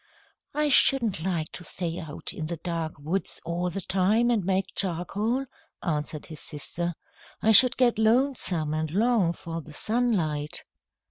"I shouldn't like to stay out in the dark woods all the time and make charcoal," answered his sister. "I should get lonesome and long for the sunlight."